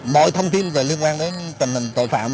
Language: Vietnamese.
mọi thông tin về liên quan đến tình hình tội phạm